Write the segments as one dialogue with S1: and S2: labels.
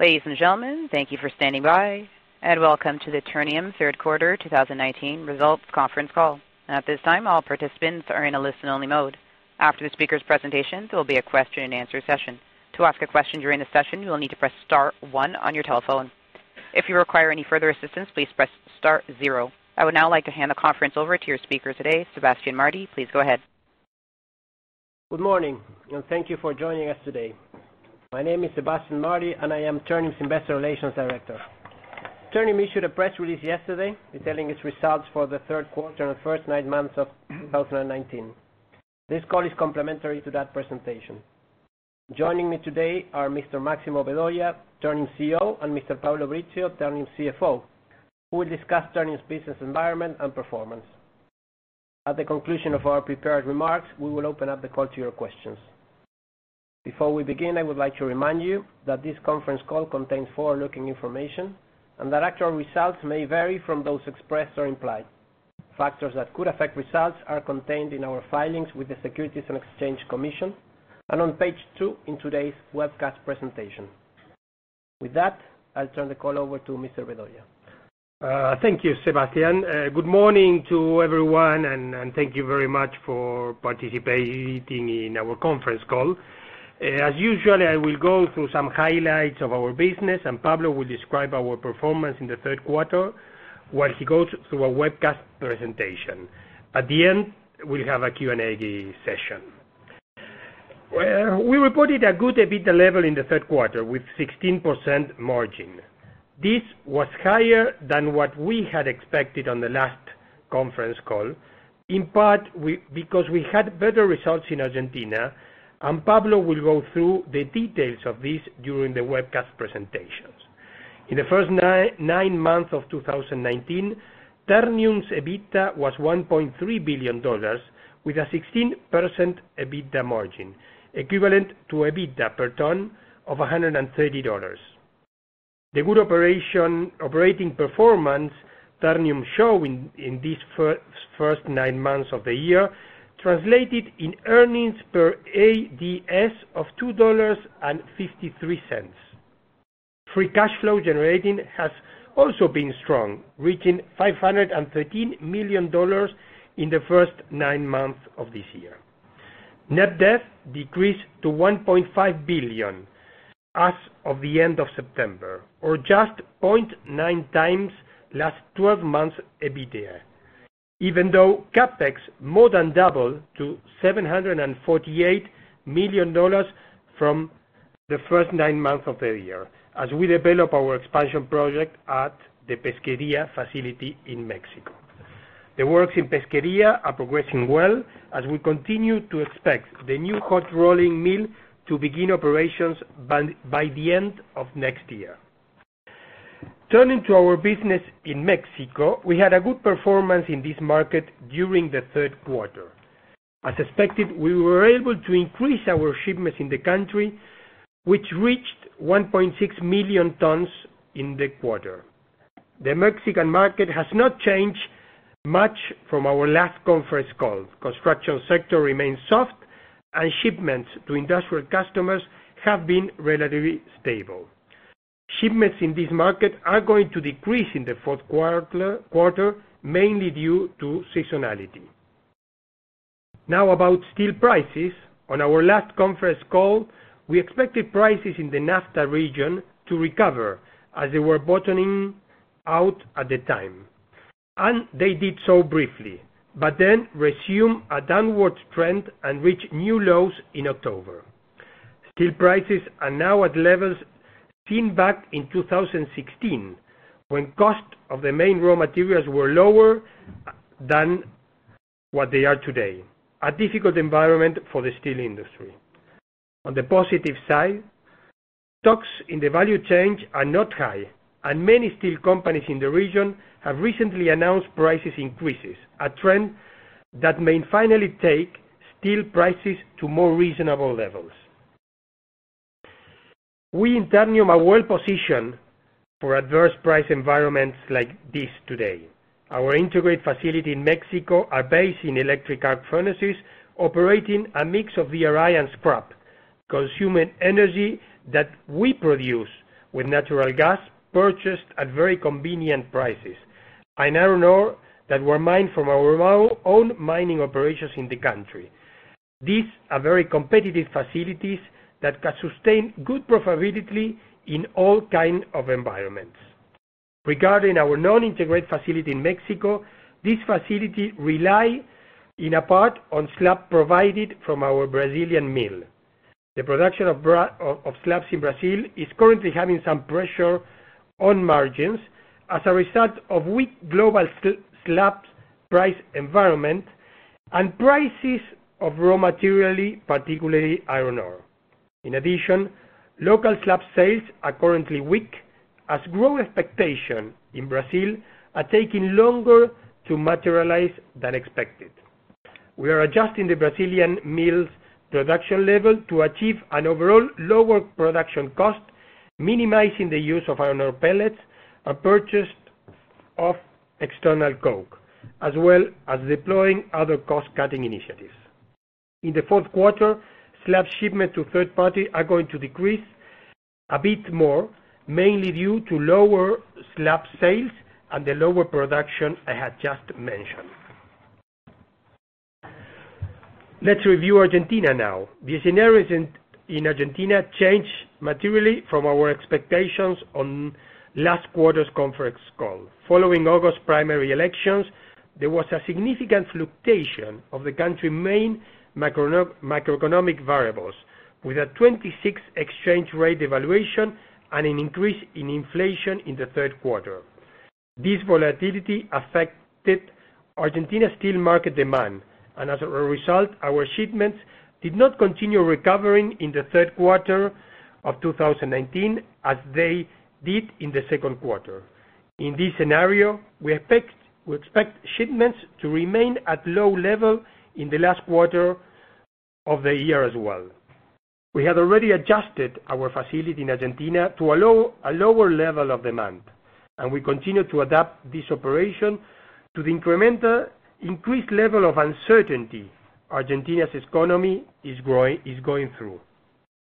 S1: Ladies and gentlemen, thank you for standing by, and welcome to the Ternium third quarter 2019 results conference call. At this time, all participants are in a listen only mode. After the speaker's presentation, there will be a question and answer session. To ask a question during the session, you will need to press star one on your telephone. If you require any further assistance, please press star zero. I would now like to hand the conference over to your speaker today, Sebastián Martí. Please go ahead.
S2: Good morning, and thank you for joining us today. My name is Sebastián Martí, and I am Ternium's Investor Relations Director. Ternium issued a press release yesterday detailing its results for the third quarter and first nine months of 2019. This call is complementary to that presentation. Joining me today are Mr. Máximo Vedoya, Ternium's CEO, and Mr. Pablo Brizzio, Ternium's CFO, who will discuss Ternium's business environment and performance. At the conclusion of our prepared remarks, we will open up the call to your questions. Before we begin, I would like to remind you that this conference call contains forward-looking information and that actual results may vary from those expressed or implied. Factors that could affect results are contained in our filings with the Securities and Exchange Commission and on page two in today's webcast presentation. With that, I'll turn the call over to Mr. Vedoya.
S3: Thank you, Sebastián. Good morning to everyone, and thank you very much for participating in our conference call. As usual, I will go through some highlights of our business, and Pablo will describe our performance in the third quarter while he goes through our webcast presentation. At the end, we'll have a Q&A session. We reported a good EBITDA level in the third quarter with 16% margin. This was higher than what we had expected on the last conference call, in part because we had better results in Argentina, and Pablo will go through the details of this during the webcast presentations. In the first nine months of 2019, Ternium's EBITDA was $1.3 billion with a 16% EBITDA margin, equivalent to EBITDA per ton of $130. The good operating performance Ternium show in these first nine months of the year translated in earnings per ADS of $2.53. Free cash flow generating has also been strong, reaching $513 million in the first nine months of this year. Net debt decreased to $1.5 billion as of the end of September, or just 0.9 times last 12 months EBITDA. Even though CapEx more than doubled to $748 million from the first nine months of the year, as we develop our expansion project at the Pesquería facility in Mexico. The works in Pesquería are progressing well as we continue to expect the new hot rolling mill to begin operations by the end of next year. Turning to our business in Mexico, we had a good performance in this market during the third quarter. As expected, we were able to increase our shipments in the country, which reached 1.6 million tons in the quarter. The Mexican market has not changed much from our last conference call. Construction sector remains soft. Shipments to industrial customers have been relatively stable. Shipments in this market are going to decrease in the fourth quarter, mainly due to seasonality. About steel prices. On our last conference call, we expected prices in the NAFTA region to recover as they were bottoming out at the time. They did so briefly, but then resumed a downward trend and reached new lows in October. Steel prices are now at levels seen back in 2016, when cost of the main raw materials were lower than what they are today, a difficult environment for the steel industry. On the positive side, stocks in the value chain are not high, and many steel companies in the region have recently announced prices increases, a trend that may finally take steel prices to more reasonable levels. We in Ternium are well-positioned for adverse price environments like this today. Our integrated facility in Mexico are based in electric arc furnaces, operating a mix of DRI and scrap, consuming energy that we produce with natural gas purchased at very convenient prices. Iron ore that were mined from our own mining operations in the country. These are very competitive facilities that can sustain good profitability in all kind of environments. Regarding our non-integrated facility in Mexico, this facility rely in part on slab provided from our Brazilian mill. The production of slabs in Brazil is currently having some pressure on margins as a result of weak global slab price environment and prices of raw material, particularly iron ore. In addition, local slab sales are currently weak as growth expectation in Brazil are taking longer to materialize than expected. We are adjusting the Brazilian mill's production level to achieve an overall lower production cost, minimizing the use of iron ore pellets and purchase of external coke, as well as deploying other cost-cutting initiatives. In the fourth quarter, slab shipments to third party are going to decrease a bit more, mainly due to lower slab sales and the lower production I had just mentioned. Let's review Argentina now. The scenarios in Argentina changed materially from our expectations on last quarter's conference call. Following August primary elections, there was a significant fluctuation of the country's main macroeconomic variables, with a 26 exchange rate devaluation and an increase in inflation in the third quarter. This volatility affected Argentina steel market demand. As a result, our shipments did not continue recovering in the third quarter of 2019 as they did in the second quarter. In this scenario, we expect shipments to remain at low level in the last quarter of the year as well. We had already adjusted our facility in Argentina to a lower level of demand, and we continue to adapt this operation to the increased level of uncertainty Argentina's economy is going through.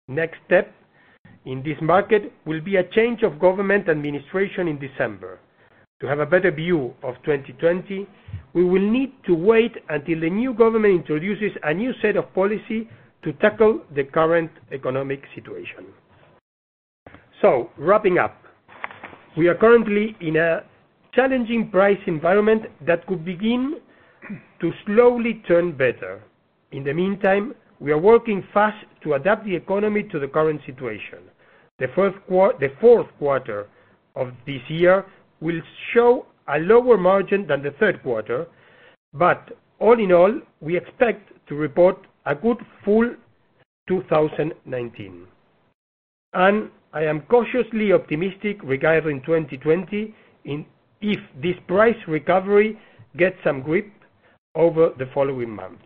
S3: Next step in this market will be a change of government administration in December. To have a better view of 2020, we will need to wait until the new government introduces a new set of policy to tackle the current economic situation. Wrapping up, we are currently in a challenging price environment that could begin to slowly turn better. In the meantime, we are working fast to adapt the economy to the current situation. The fourth quarter of this year will show a lower margin than the third quarter, all in all, we expect to report a good full 2019. I am cautiously optimistic regarding 2020, if this price recovery gets some grip over the following months.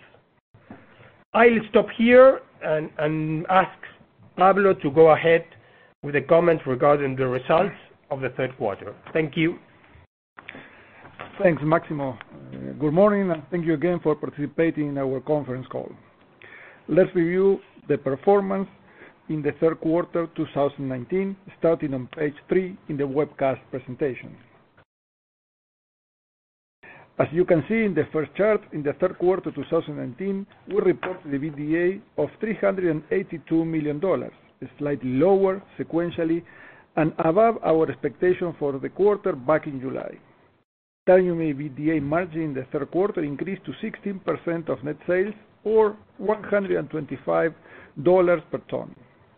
S3: I'll stop here and ask Pablo Brizzio to go ahead with the comments regarding the results of the third quarter. Thank you.
S4: Thanks, Máximo. Good morning, and thank you again for participating in our conference call. Let's review the performance in the third quarter 2019, starting on page three in the webcast presentation. As you can see in the first chart, in the third quarter 2019, we reported EBITDA of $382 million, slightly lower sequentially, and above our expectation for the quarter back in July. Ternium EBITDA margin in the third quarter increased to 16% of net sales or $125 per ton.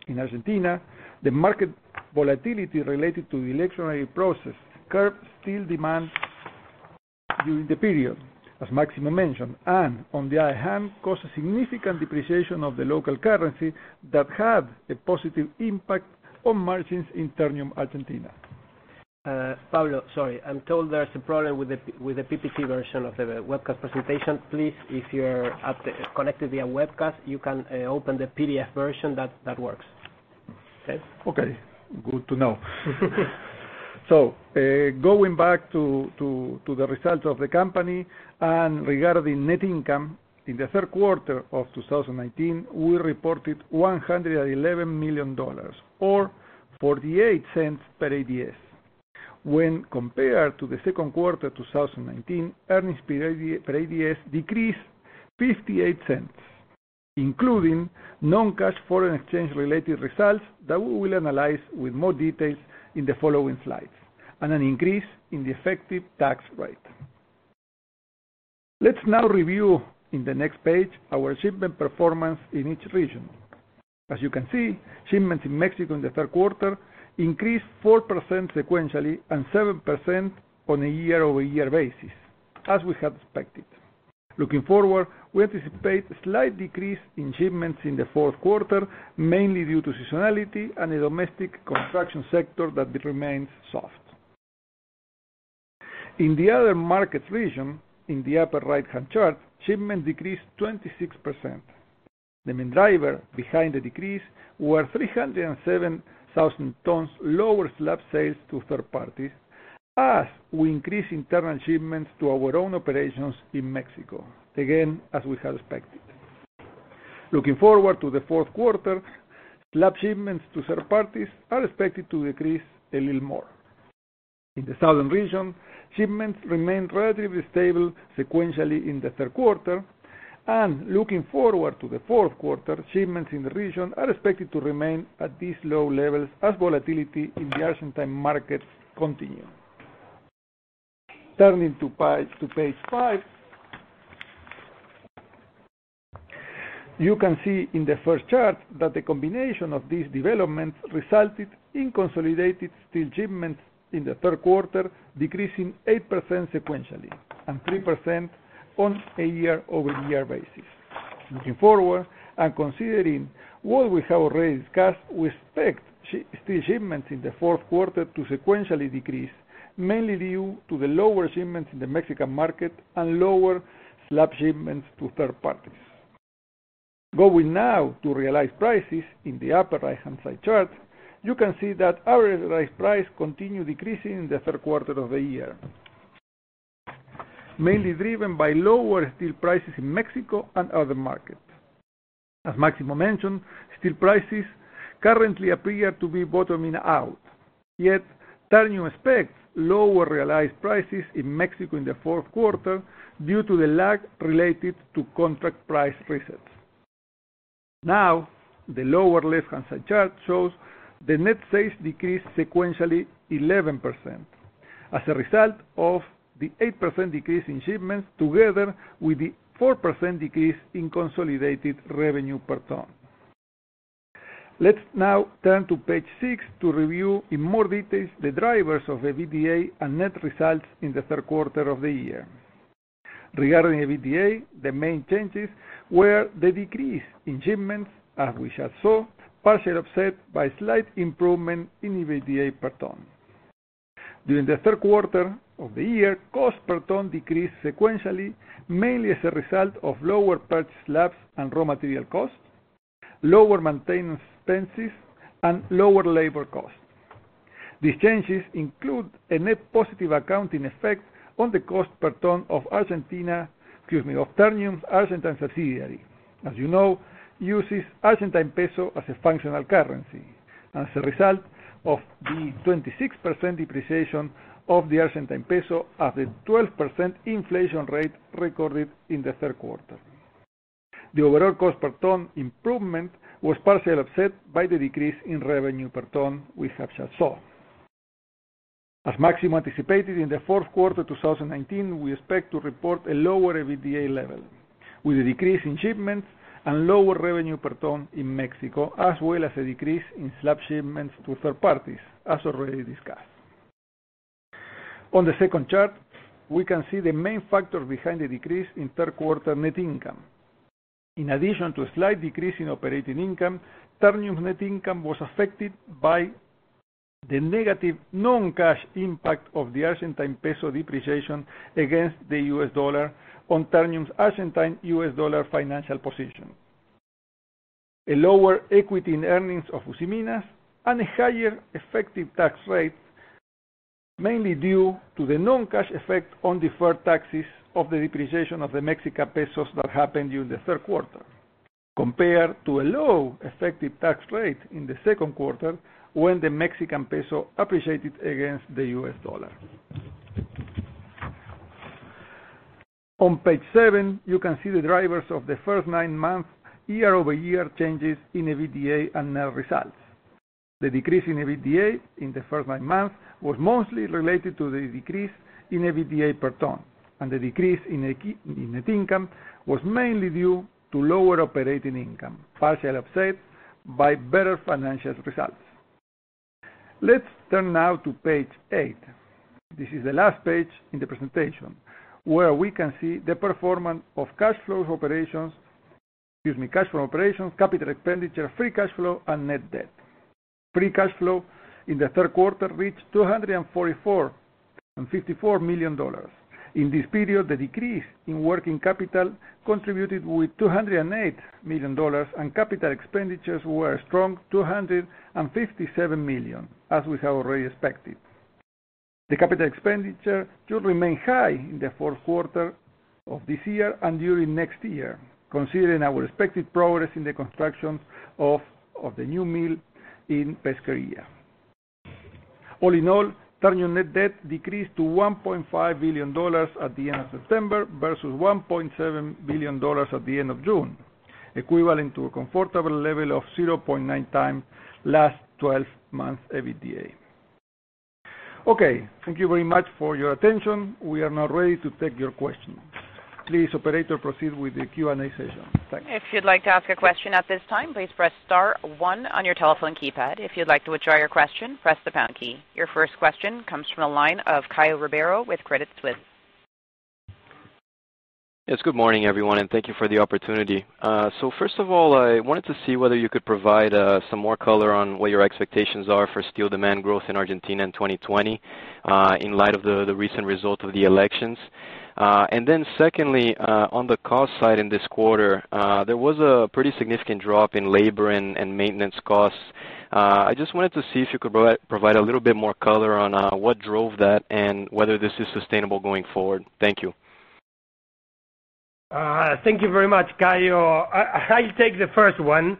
S4: In Argentina, the market volatility related to the electionary process curbed steel demand during the period, as Máximo mentioned, and on the other hand, caused a significant depreciation of the local currency that had a positive impact on margins in Ternium, Argentina.
S3: Pablo, sorry. I'm told there's a problem with the PPT version of the webcast presentation. Please, if you're connected via webcast, you can open the PDF version. That works. Okay?
S4: Good to know. Going back to the results of the company and regarding net income, in the third quarter of 2019, we reported $111 million or $0.48 per ADS. When compared to the second quarter 2019, earnings per ADS decreased $0.58, including non-cash foreign exchange related results that we will analyze with more details in the following slides, and an increase in the effective tax rate. Let's now review, in the next page, our shipment performance in each region. As you can see, shipments in Mexico in the third quarter increased 4% sequentially and 7% on a year-over-year basis, as we had expected. Looking forward, we anticipate a slight decrease in shipments in the fourth quarter, mainly due to seasonality and a domestic construction sector that remains soft. In the other markets region, in the upper right-hand chart, shipment decreased 26%. The main driver behind the decrease were 307,000 tons lower slab sales to third parties as we increase internal shipments to our own operations in Mexico. Again, as we had expected. Looking forward to the fourth quarter, slab shipments to third parties are expected to decrease a little more. In the southern region, shipments remained relatively stable sequentially in the third quarter. Looking forward to the fourth quarter, shipments in the region are expected to remain at these low levels as volatility in the Argentine markets continue. Turning to page five. You can see in the first chart that the combination of these developments resulted in consolidated steel shipments in the third quarter decreasing 8% sequentially and 3% on a year-over-year basis. Looking forward and considering what we have already discussed, we expect steel shipments in the fourth quarter to sequentially decrease, mainly due to the lower shipments in the Mexican market and lower slab shipments to third parties. Going now to realized prices in the upper right-hand side chart, you can see that average realized price continued decreasing in the third quarter of the year. Mainly driven by lower steel prices in Mexico and other markets. As Máximo mentioned, steel prices currently appear to be bottoming out. Ternium expects lower realized prices in Mexico in the fourth quarter due to the lag related to contract price resets. Now, the lower left-hand side chart shows the net sales decreased sequentially 11%, as a result of the 8% decrease in shipments together with the 4% decrease in consolidated revenue per ton. Let's now turn to page six to review in more details the drivers of the EBITDA and net results in the third quarter of the year. Regarding EBITDA, the main changes were the decrease in shipments, as we just saw, partially offset by slight improvement in EBITDA per ton. During the third quarter of the year, cost per ton decreased sequentially, mainly as a result of lower purchased slabs and raw material costs, lower maintenance expenses, and lower labor costs. These changes include a net positive accounting effect on the cost per ton of Ternium's Argentine subsidiary, as you know, uses Argentine peso as a functional currency, and as a result of the 26% depreciation of the Argentine peso at the 12% inflation rate recorded in the third quarter. The overall cost per ton improvement was partially offset by the decrease in revenue per ton we have just saw. As Máximo anticipated, in the fourth quarter 2019, we expect to report a lower EBITDA level, with a decrease in shipments and lower revenue per ton in Mexico, as well as a decrease in slab shipments to third parties, as already discussed. On the second chart, we can see the main factor behind the decrease in third quarter net income. In addition to a slight decrease in operating income, Ternium's net income was affected by the negative non-cash impact of the Argentine peso depreciation against the U.S. dollar on Ternium's Argentine U.S. dollar financial position. A lower equity in earnings of Usiminas, and a higher effective tax rate, mainly due to the non-cash effect on deferred taxes of the depreciation of the Mexican pesos that happened during the third quarter, compared to a low effective tax rate in the second quarter, when the Mexican peso appreciated against the U.S. dollar. On page seven, you can see the drivers of the first nine months year-over-year changes in EBITDA and net results. The decrease in EBITDA in the first nine months was mostly related to the decrease in EBITDA per ton. The decrease in net income was mainly due to lower operating income, partially offset by better financial results. Let's turn now to page eight. This is the last page in the presentation, where we can see the performance of cash from operations, capital expenditure, free cash flow, and net debt. Free cash flow in the third quarter reached $244.54 million. In this period, the decrease in working capital contributed with $208 million. Capital expenditures were a strong $257 million, as we have already expected. The capital expenditure should remain high in the fourth quarter of this year and during next year, considering our expected progress in the construction of the new mill in Pesqueria. All in all, Ternium net debt decreased to $1.5 billion at the end of September versus $1.7 billion at the end of June, equivalent to a comfortable level of 0.9 times last 12 months EBITDA. Okay. Thank you very much for your attention. We are now ready to take your questions. Please, operator, proceed with the Q&A session. Thanks.
S1: If you'd like to ask a question at this time, please press star one on your telephone keypad. If you'd like to withdraw your question, press the pound key. Your first question comes from the line of Caio Ribeiro with Credit Suisse.
S5: Yes, good morning, everyone. Thank you for the opportunity. First of all, I wanted to see whether you could provide some more color on what your expectations are for steel demand growth in Argentina in 2020, in light of the recent result of the elections. Secondly, on the cost side in this quarter, there was a pretty significant drop in labor and maintenance costs. I just wanted to see if you could provide a little bit more color on what drove that and whether this is sustainable going forward. Thank you.
S4: Thank you very much, Caio. I'll take the first one,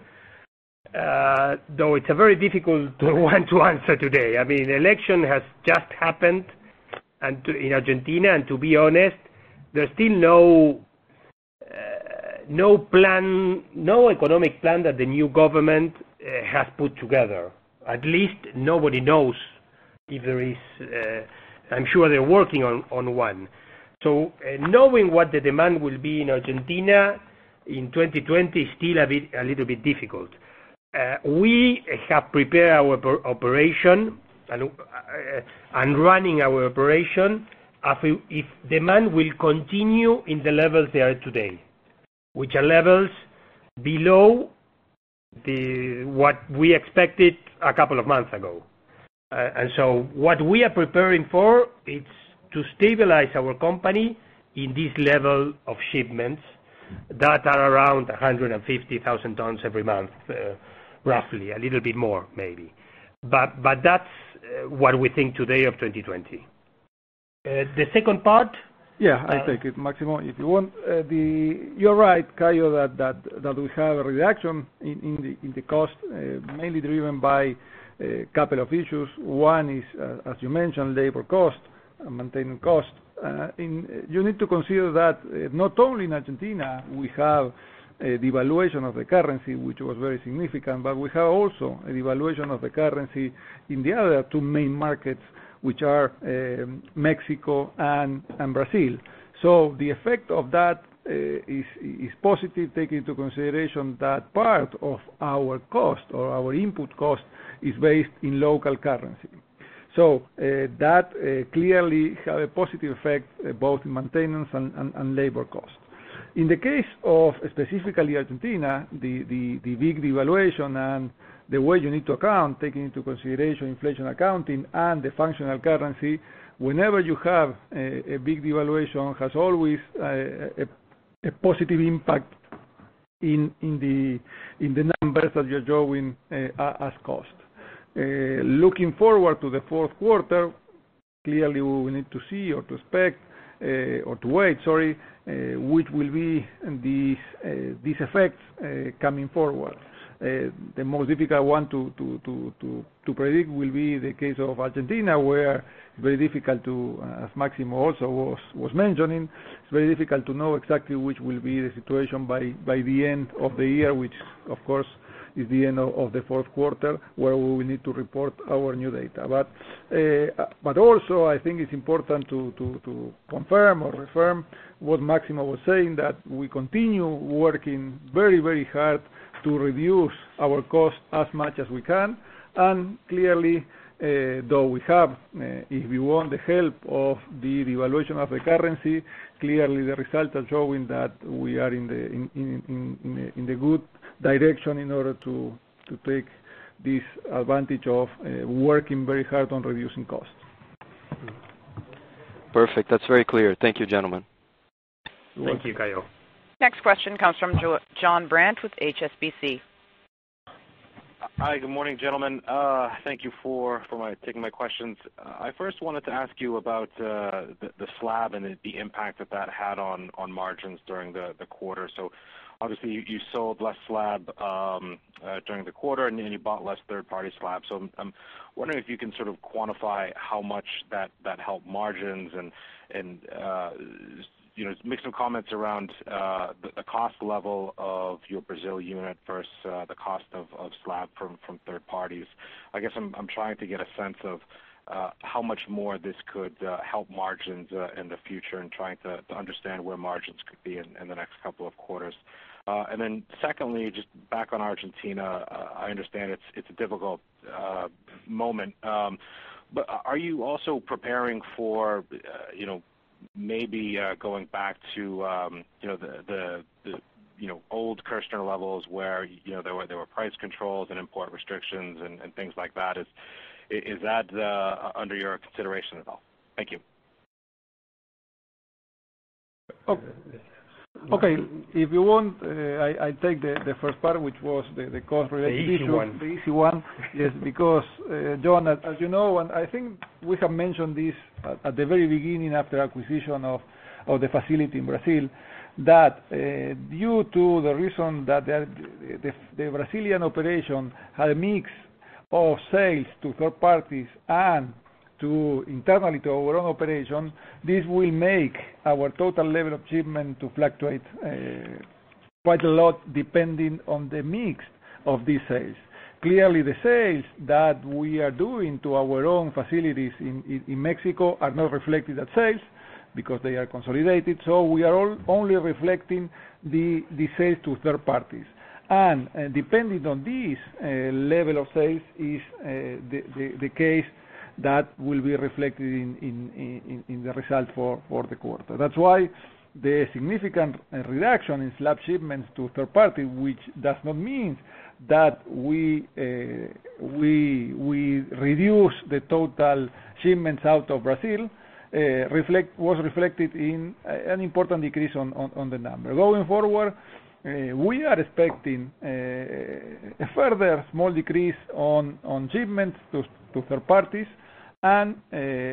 S4: though it's a very difficult one to answer today. I mean, the election has just happened in Argentina. To be honest, there's still no economic plan that the new government has put together. At least nobody knows if there is. I'm sure they're working on one. Knowing what the demand will be in Argentina in 2020 is still a little bit difficult. We have prepared our operation and running our operation as if demand will continue in the levels they are today, which are levels below what we expected a couple of months ago. What we are preparing for is to stabilize our company
S3: In this level of shipments that are around 150,000 tons every month, roughly, a little bit more maybe. That's what we think today of 2020. The second part?
S4: Yeah, I take it, Máximo, if you want. You're right, Caio, that we have a reduction in the cost, mainly driven by a couple of issues. One is, as you mentioned, labor cost and maintenance cost. You need to consider that not only in Argentina we have a devaluation of the currency, which was very significant, but we have also a devaluation of the currency in the other two main markets, which are Mexico and Brazil. The effect of that is positive, taking into consideration that part of our cost or our input cost is based in local currency. That clearly have a positive effect both in maintenance and labor cost. In the case of specifically Argentina, the big devaluation and the way you need to account, taking into consideration inflation accounting and the functional currency, whenever you have a big devaluation, has always a positive impact in the numbers that you're drawing as cost. Looking forward to the fourth quarter, clearly, we need to see or to wait, which will be these effects coming forward. The most difficult one to predict will be the case of Argentina, where it's very difficult to, as Máximo also was mentioning, it's very difficult to know exactly which will be the situation by the end of the year, which of course is the end of the fourth quarter, where we need to report our new data. Also I think it's important to confirm or reaffirm what Máximo was saying, that we continue working very hard to reduce our cost as much as we can. Clearly, though we have, if we want the help of the devaluation of the currency, clearly the results are showing that we are in the good direction in order to take this advantage of working very hard on reducing costs.
S5: Perfect. That's very clear. Thank you, gentlemen.
S3: Thank you, Caio.
S1: Next question comes from Jonathan Brandt with HSBC.
S6: Hi. Good morning, gentlemen. Thank you for taking my questions. I first wanted to ask you about the slab and the impact that that had on margins during the quarter. Obviously you sold less slab during the quarter, and then you bought less third-party slab. I'm wondering if you can sort of quantify how much that helped margins and make some comments around the cost level of your Brazil unit versus the cost of slab from third parties. I guess I'm trying to get a sense of how much more this could help margins in the future and trying to understand where margins could be in the next couple of quarters. Secondly, just back on Argentina, I understand it's a difficult moment, but are you also preparing for maybe going back to the old Kirchner levels where there were price controls and import restrictions and things like that? Is that under your consideration at all? Thank you.
S4: Okay. If you want, I take the first part, which was the cost-related issue.
S3: The easy one.
S4: The easy one. Yes, because, John, as you know, and I think we have mentioned this at the very beginning after acquisition of the facility in Brazil, that due to the reason that the Brazilian operation had a mix of sales to third parties and internally to our own operation, this will make our total level of shipment to fluctuate quite a lot depending on the mix of these sales. Clearly, the sales that we are doing to our own facilities in Mexico are not reflected as sales because they are consolidated. We are only reflecting the sales to third parties. Depending on this level of sales is the case that will be reflected in the result for the quarter. That's why the significant reduction in slab shipments to third party, which does not mean that we reduce the total shipments out of Brazil, was reflected in an important decrease on the number.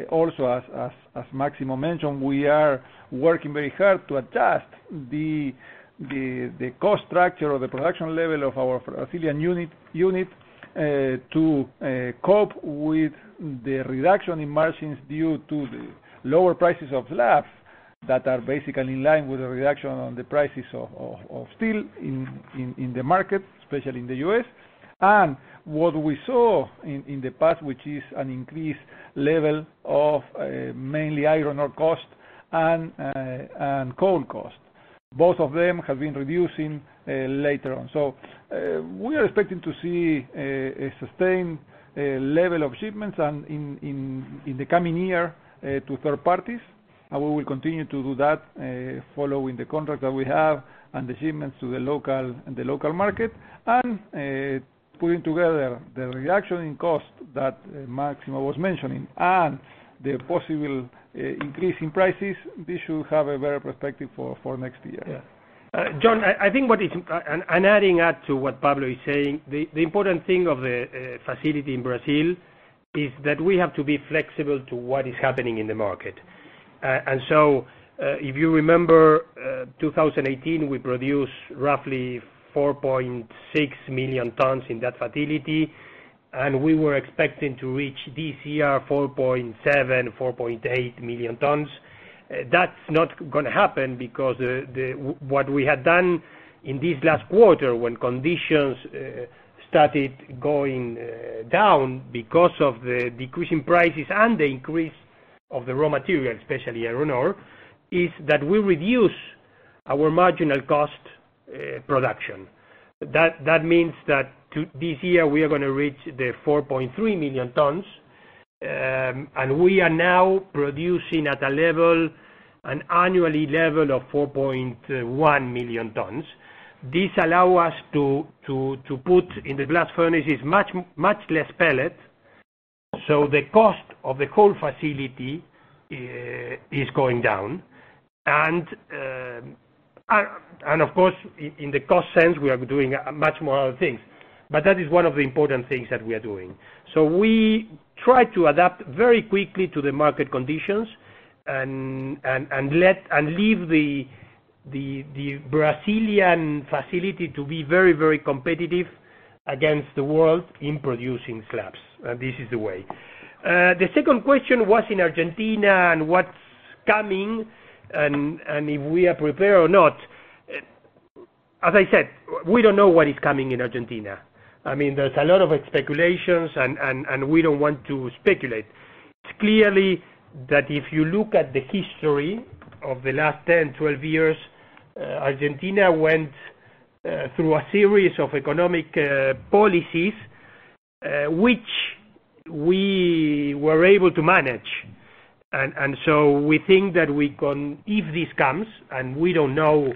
S4: Also as Máximo mentioned, we are working very hard to adjust the cost structure or the production level of our Brazilian unit to cope with the reduction in margins due to the lower prices of slabs that are basically in line with the reduction on the prices of steel in the market, especially in the U.S. What we saw in the past, which is an increased level of mainly iron ore cost and coal cost. Both of them have been reducing later on. We are expecting to see a sustained level of shipments in the coming year to third parties. We will continue to do that following the contract that we have and the shipments to the local market. Putting together the reduction in cost that Máximo was mentioning and the possible increase in prices, this should have a better perspective for next year.
S3: John, adding up to what Pablo is saying, the important thing of the facility in Brazil is that we have to be flexible to what is happening in the market. So if you remember 2018, we produced roughly 4.6 million tons in that facility, and we were expecting to reach this year 4.7 million, 4.8 million tons. That's not going to happen because what we had done in this last quarter, when conditions started going down because of the decrease in prices and the increase of the raw material, especially iron ore, is that we reduce our marginal cost production. That means that this year we are going to reach the 4.3 million tons, and we are now producing at an annually level of 4.1 million tons. This allow us to put in the blast furnaces much less pellet. The cost of the whole facility is going down. Of course, in the cost sense, we are doing much more other things. That is one of the important things that we are doing. We try to adapt very quickly to the market conditions and leave the Brazilian facility to be very competitive against the world in producing slabs. This is the way. The second question, what's in Argentina and what's coming, and if we are prepared or not. As I said, we don't know what is coming in Argentina. There's a lot of speculations, and we don't want to speculate. It's clearly that if you look at the history of the last 10, 12 years, Argentina went through a series of economic policies which we were able to manage. We think that if this comes, and we don't know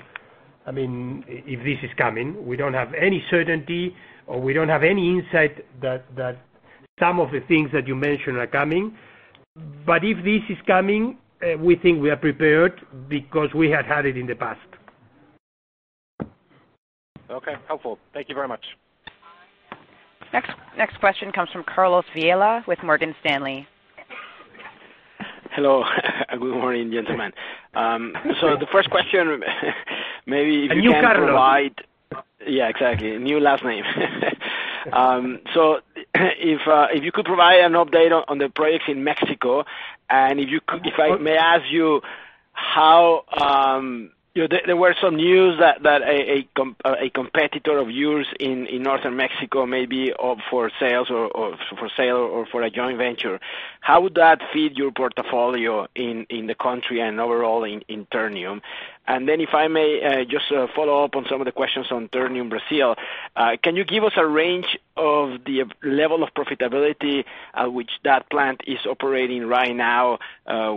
S3: if this is coming, we don't have any certainty, or we don't have any insight that some of the things that you mentioned are coming. If this is coming, we think we are prepared because we had had it in the past.
S6: Okay, helpful. Thank you very much.
S1: Next question comes from Carlos De Alba with Morgan Stanley.
S7: Hello. Good morning, gentlemen. The first question. A new Carlos. Yeah, exactly. New last name. If you could provide an update on the projects in Mexico, and if I may ask you. There were some news that a competitor of yours in Northern Mexico may be up for sale or for a joint venture. How would that fit your portfolio in the country and overall in Ternium? Then if I may just follow up on some of the questions on Ternium Brazil, can you give us a range of the level of profitability at which that plant is operating right now,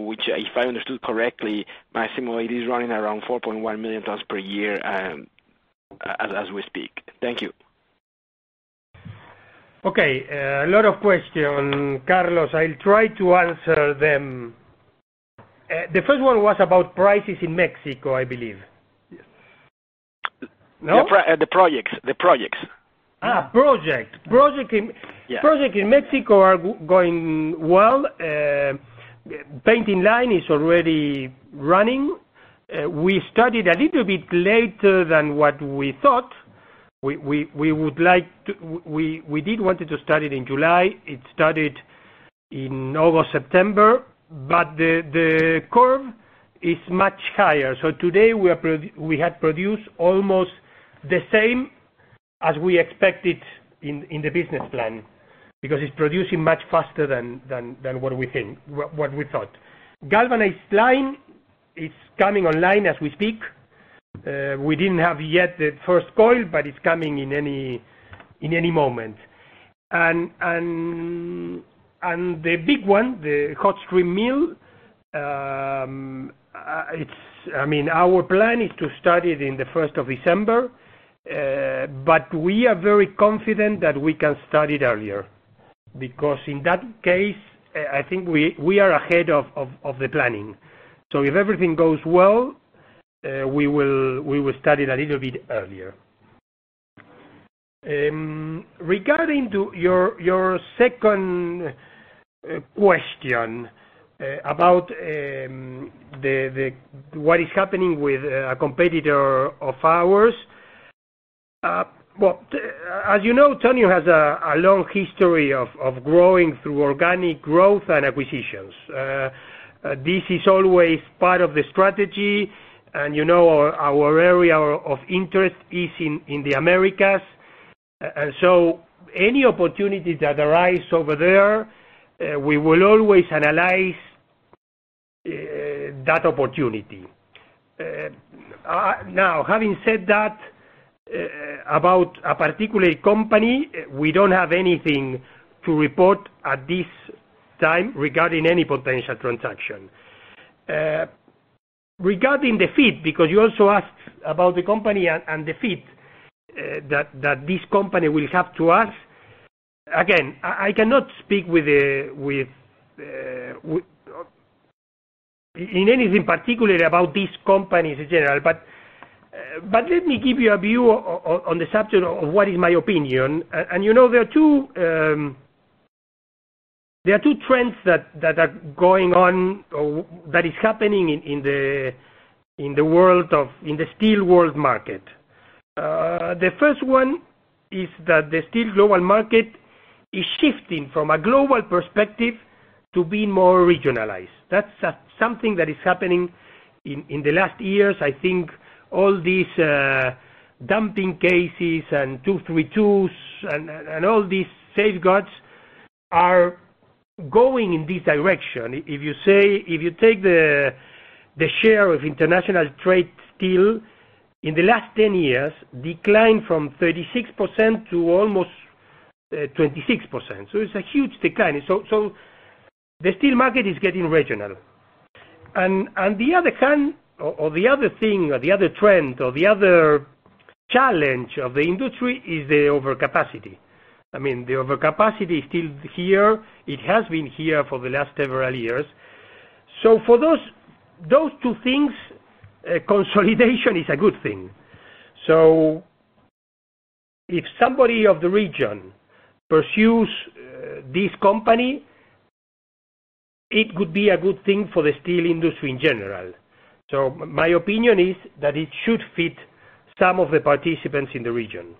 S7: which, if I understood correctly, Máximo, it is running around 4.1 million tons per year as we speak. Thank you.
S3: Okay. A lot of question, Carlos. I'll try to answer them. The first one was about prices in Mexico, I believe.
S7: Yes.
S3: No?
S7: The projects.
S3: Project in Mexico are going well. Painting line is already running. We started a little bit later than what we thought. We did want it to start it in July. It started in August, September. The curve is much higher. Today we had produced almost the same as we expected in the business plan, because it's producing much faster than what we thought. Galvanized line is coming online as we speak. We didn't have yet the first coil, but it's coming in any moment. The big one, the hot strip mill, our plan is to start it in the 1st of December. We are very confident that we can start it earlier, because in that case, I think we are ahead of the planning. If everything goes well, we will start it a little bit earlier. Regarding to your second question about what is happening with a competitor of ours. Well, as you know, Ternium has a long history of growing through organic growth and acquisitions. This is always part of the strategy. Our area of interest is in the Americas. Any opportunity that arise over there, we will always analyze that opportunity. Now, having said that, about a particular company, we don't have anything to report at this time regarding any potential transaction. Regarding the fit, because you also asked about the company and the fit that this company will have to us. Again, I cannot speak in anything particular about these companies in general. Let me give you a view on the subject of what is my opinion. There are two trends that are going on, that is happening in the steel world market. The first one is that the steel global market is shifting from a global perspective to be more regionalized. That's something that is happening in the last years. I think all these dumping cases and 232s, all these safeguards are going in this direction. If you take the share of international trade steel, in the last 10 years, declined from 36% to almost 26%. It's a huge decline. The steel market is getting regional. The other thing, or the other trend, or the other challenge of the industry is the overcapacity. I mean, the overcapacity is still here. It has been here for the last several years. For those two things, consolidation is a good thing. If somebody of the region pursues this company, it could be a good thing for the steel industry in general. My opinion is that it should fit some of the participants in the region.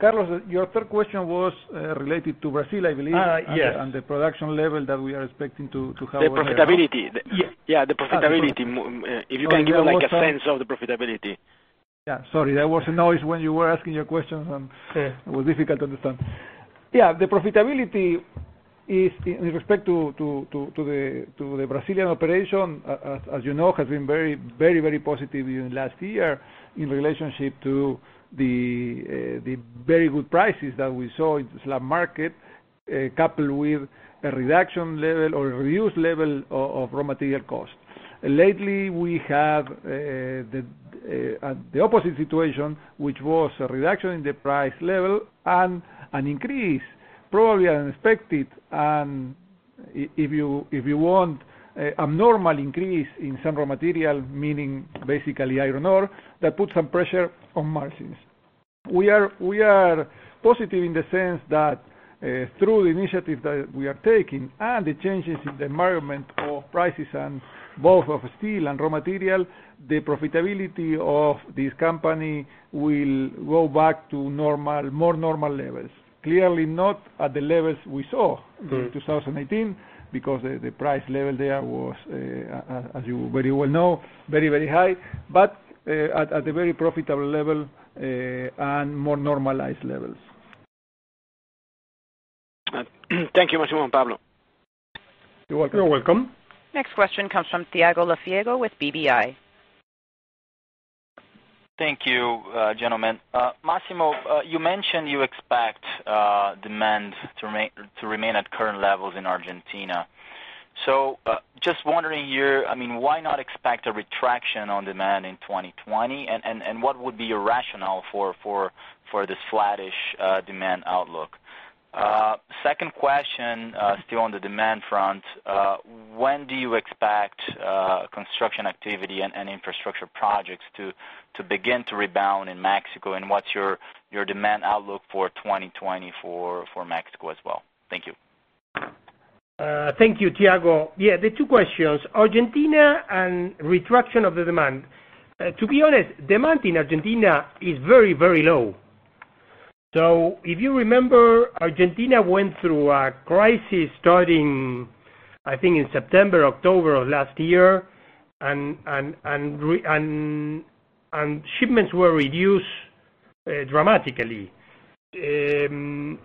S4: Carlos, your third question was related to Brazil, I believe.
S3: Yes.
S4: The production level that we are expecting to have.
S3: The profitability. Yeah, the profitability. If you can give like a sense of the profitability.
S4: Yeah. Sorry, there was a noise when you were asking your question, and it was difficult to understand. Yeah. The profitability with respect to the Brazilian operation, as you know, has been very positive in last year in relationship to the very good prices that we saw in the slab market, coupled with a reduction level or reduced level of raw material cost. Lately, we have the opposite situation, which was a reduction in the price level and an increase, probably unexpected, and if you want, a normal increase in some raw material, meaning basically iron ore, that put some pressure on margins. We are positive in the sense that through the initiative that we are taking and the changes in the environment of prices and both of steel and raw material, the profitability of this company will go back to more normal levels. Clearly not at the levels we saw in 2018, because the price level there was, as you very well know, very high, but at a very profitable level, and more normalized levels.
S7: Thank you, Máximo and Pablo.
S4: You're welcome.
S1: Next question comes from Thiago Lofiego with BBI.
S8: Thank you, gentlemen. Máximo, you mentioned you expect demand to remain at current levels in Argentina. Just wondering, why not expect a retraction on demand in 2020? What would be your rationale for this flattish demand outlook? Second question, still on the demand front, when do you expect construction activity and infrastructure projects to begin to rebound in Mexico? What's your demand outlook for 2024 for Mexico as well? Thank you.
S3: Thank you, Thiago. Yeah, the two questions, Argentina and retraction of the demand. To be honest, demand in Argentina is very low. If you remember, Argentina went through a crisis starting, I think in September, October of last year, and shipments were reduced dramatically. When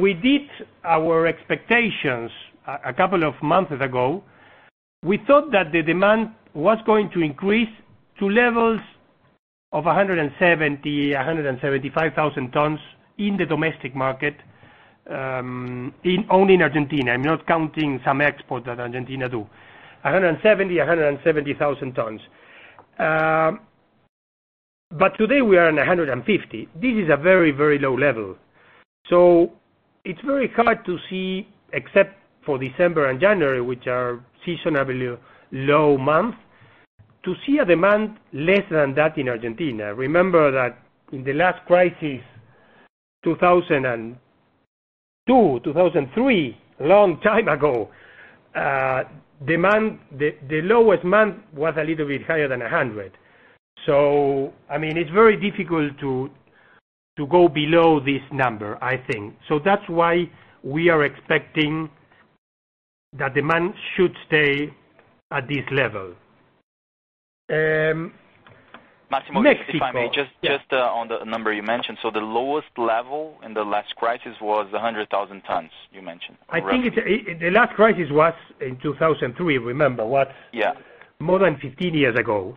S3: we did our expectations a couple of months ago, we thought that the demand was going to increase to levels of 170,000, 175,000 tons in the domestic market, only in Argentina. I'm not counting some export that Argentina do. 170,000, 175,000 tons. Today we are in 150,000. This is a very low level. It's very hard to see, except for December and January, which are seasonably low month, to see a demand less than that in Argentina. Remember that in the last crisis, 2002, 2003, a long time ago, the lowest month was a little bit higher than 100,000. It's very difficult to go below this number, I think. That's why we are expecting that demand should stay at this level. Mexico.
S8: Máximo, if I may, just on the number you mentioned. The lowest level in the last crisis was 100,000 tons, you mentioned, correct?
S3: I think the last crisis was in 2003, remember.
S8: Yeah.
S3: More than 15 years ago.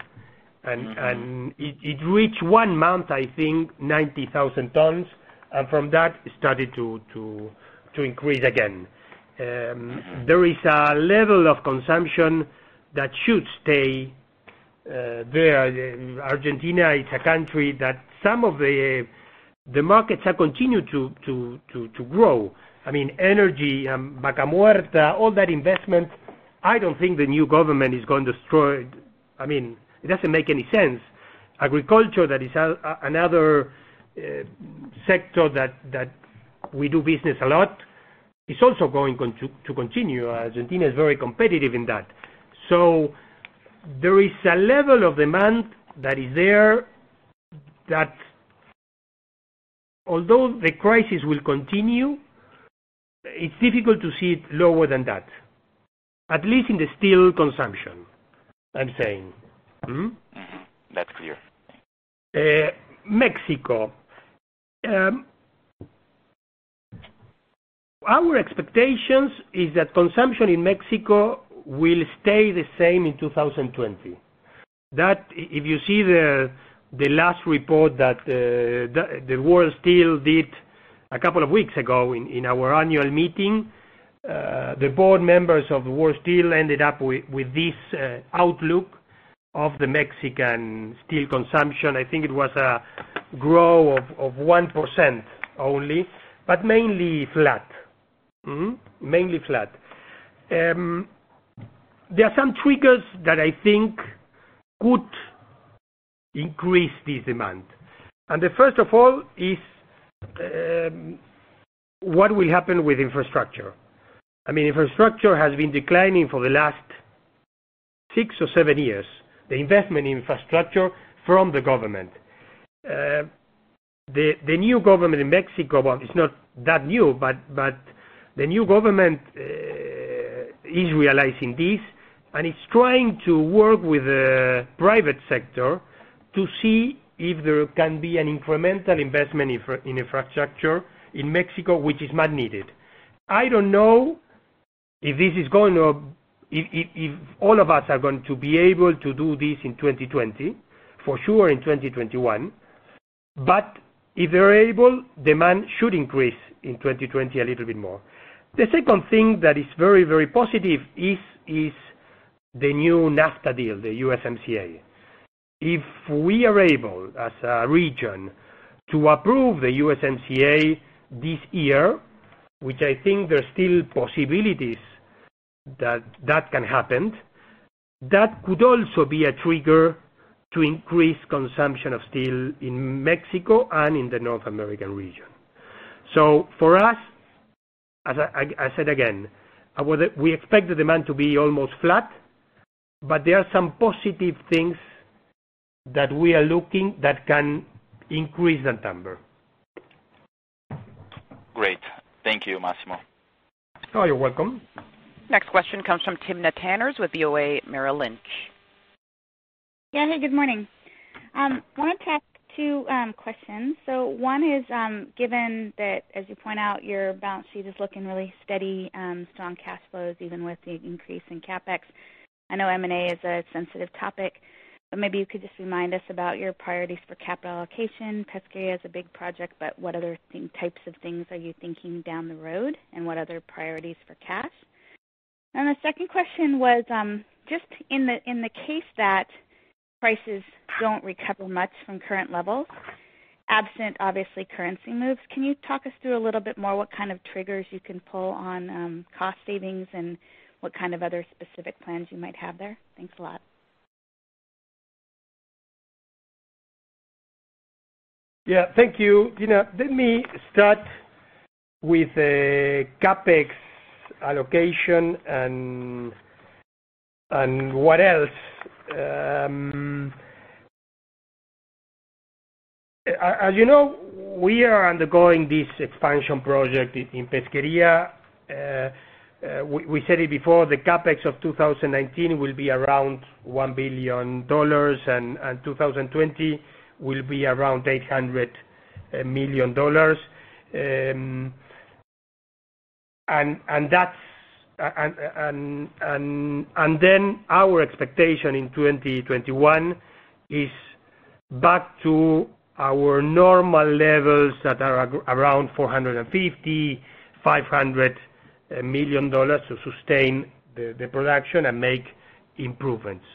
S3: It reached one month, I think 90,000 tons. From that, it started to increase again. There is a level of consumption that should stay there. Argentina is a country that some of the markets have continued to grow. Energy, Vaca Muerta, all that investment, I don't think the new government is going to destroy. It doesn't make any sense. Agriculture, that is another sector that we do business a lot, is also going to continue. Argentina is very competitive in that. There is a level of demand that is there, that although the crisis will continue, it's difficult to see it lower than that, at least in the steel consumption, I'm saying.
S8: Mm-hmm. That's clear.
S3: Mexico. Our expectation is that consumption in Mexico will stay the same in 2020. If you see the last report that the World Steel did a couple of weeks ago in our annual meeting, the board members of the World Steel ended up with this outlook of the Mexican steel consumption. I think it was a growth of 1% only, mainly flat. There are some triggers that I think could increase this demand. The first of all is what will happen with infrastructure. Infrastructure has been declining for the last six or seven years, the investment in infrastructure from the government. The new government in Mexico, well, it's not that new, the new government is realizing this, it's trying to work with the private sector to see if there can be an incremental investment in infrastructure in Mexico, which is much needed. I don't know if all of us are going to be able to do this in 2020, for sure in 2021. If we're able, demand should increase in 2020 a little bit more. The second thing that is very positive is the new NAFTA deal, the USMCA. If we are able, as a region, to approve the USMCA this year, which I think there are still possibilities that can happen, that could also be a trigger to increase consumption of steel in Mexico and in the North American region. For us, as I said again, we expect the demand to be almost flat, but there are some positive things that we are looking at that can increase that number.
S8: Great. Thank you, Máximo.
S3: Oh, you're welcome.
S1: Next question comes from Timna Tanners with BOA Merrill Lynch.
S9: Hey, good morning. I want to ask two questions. One is, given that, as you point out, your balance sheet is looking really steady, strong cash flows, even with the increase in CapEx. I know M&A is a sensitive topic, maybe you could just remind us about your priorities for capital allocation. Pesquería is a big project, what other types of things are you thinking down the road, what other priorities for cash? The second question was, just in the case that prices don't recover much from current levels, absent, obviously, currency moves, can you talk us through a little bit more what kind of triggers you can pull on cost savings and what kind of other specific plans you might have there? Thanks a lot.
S3: Yeah. Thank you. Let me start with the CapEx allocation and what else. As you know, we are undergoing this expansion project in Pesquería. We said it before, the CapEx of 2019 will be around $1 billion, and 2020 will be around $800 million. Our expectation in 2021 is back to our normal levels that are around $450 million, $500 million, to sustain the production and make improvements.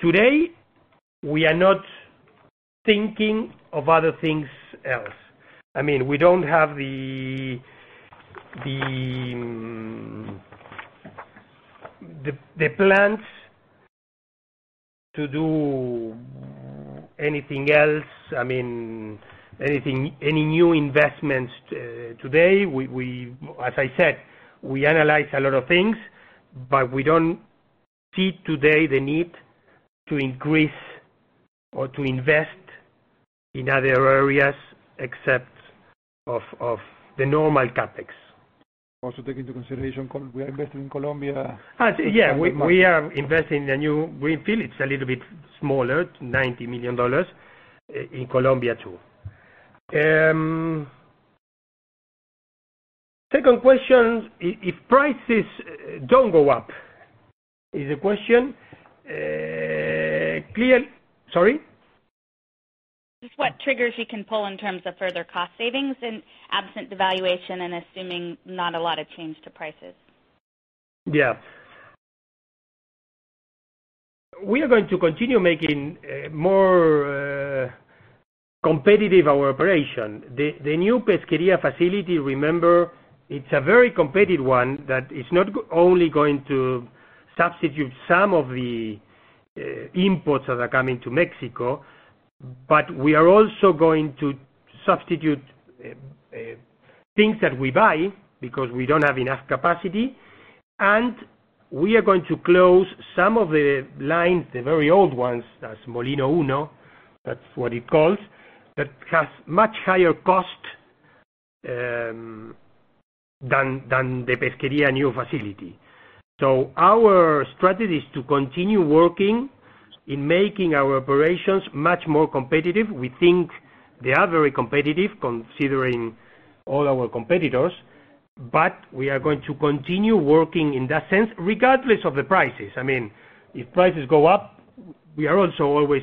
S3: Today, we are not thinking of other things else. We don't have the plans to do anything else, any new investments today. As I said, we analyze a lot of things, but we don't see today the need to increase or to invest in other areas except the normal CapEx.
S4: Take into consideration we are investing in Colombia.
S3: Yeah. We are investing in a new greenfield. It's a little bit smaller, it's $90 million, in Colombia too. Second question, if prices don't go up, is the question clear? Sorry?
S9: Just what triggers you can pull in terms of further cost savings in absent devaluation and assuming not a lot of change to prices.
S3: Yeah. We are going to continue making more competitive our operation. The new Pesquería facility, remember, it's a very competitive one that is not only going to substitute some of the imports that are coming to Mexico, but we are also going to substitute things that we buy because we don't have enough capacity, and we are going to close some of the lines, the very old ones, that's Molino Uno, that's what it calls, that has much higher cost than the Pesquería new facility. Our strategy is to continue working in making our operations much more competitive. We think they are very competitive considering all our competitors, we are going to continue working in that sense regardless of the prices. If prices go up, we are also always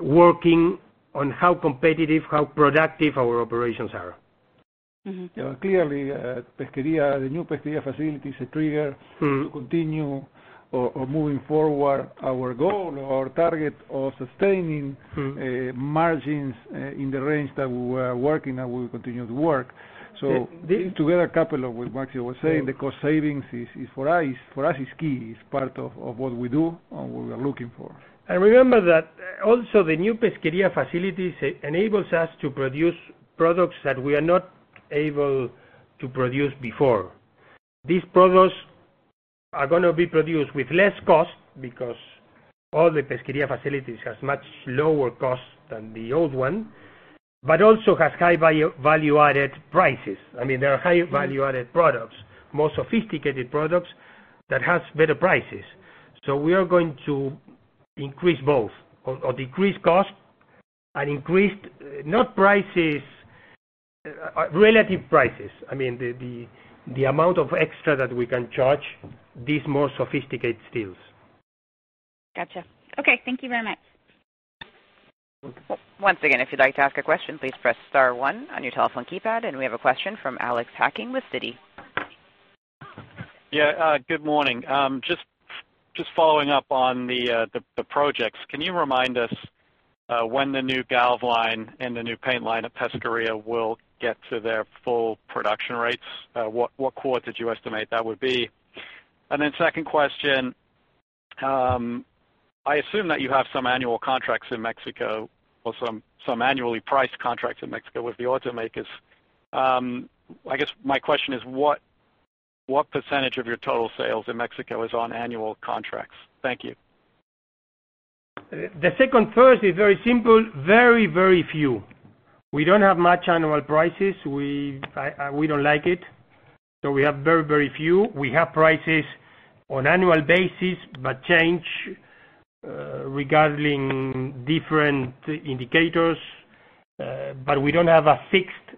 S3: working on how competitive, how productive our operations are.
S4: Clearly, the new Pesquería facility is a trigger to continue or moving forward our goal or target of sustaining margins in the range that we were working and we will continue to work. To couple up with what Max was saying, the cost savings is for us is key. It's part of what we do and what we are looking for.
S3: Remember that also the new Pesquería facilities enables us to produce products that we are not able to produce before. These products are going to be produced with less cost because all the Pesquería facilities has much lower cost than the old one, but also has high value-added prices. There are high value-added products, more sophisticated products that has better prices. We are going to increase both, or decrease cost and increase, not prices, relative prices, the amount of extra that we can charge these more sophisticated steels.
S9: Got you. Okay, thank you very much.
S1: Once again, if you'd like to ask a question, please press star one on your telephone keypad. We have a question from Alexander Hacking with Citi.
S10: Yeah, good morning. Just following up on the projects. Can you remind us when the new galv line and the new paint line at Pesquería will get to their full production rates? What quarter do you estimate that would be? Second question, I assume that you have some annual contracts in Mexico or some annually priced contracts in Mexico with the automakers. I guess my question is what % of your total sales in Mexico is on annual contracts? Thank you.
S3: The second first is very simple. Very, very few. We don't have much annual prices. We don't like it. We have very, very few. We have prices on annual basis, but change regarding different indicators. We don't have a fixed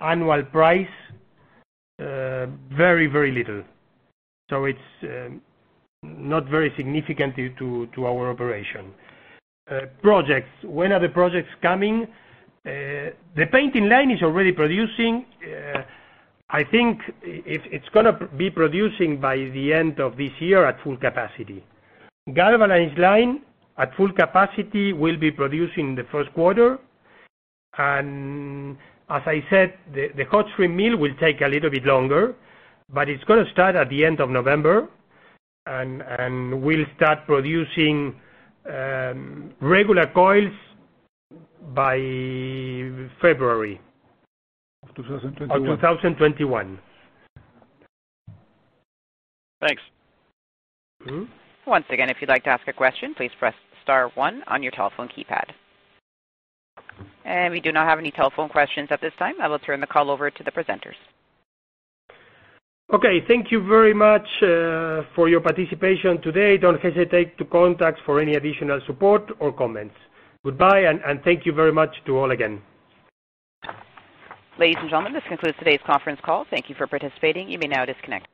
S3: annual price. Very, very little. It's not very significant to our operation. Projects. When are the projects coming? The painting line is already producing. I think it's going to be producing by the end of this year at full capacity. Galvanized line at full capacity will be producing the first quarter. As I said, the hot strip mill will take a little bit longer, but it's going to start at the end of November, and we'll start producing regular coils by February.
S4: Of 2021.
S3: Of 2021.
S10: Thanks.
S1: Once again, if you'd like to ask a question, please press star one on your telephone keypad. We do not have any telephone questions at this time. I will turn the call over to the presenters.
S3: Okay. Thank you very much for your participation today. Don't hesitate to contact for any additional support or comments. Goodbye, and thank you very much to all again.
S1: Ladies and gentlemen, this concludes today's conference call. Thank you for participating. You may now disconnect.